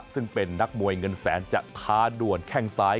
ซึ่งเป็นนักมวยเงินแสนจะท้าด่วนแข้งซ้าย